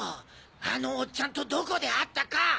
あのおっちゃんとどこで会ったか。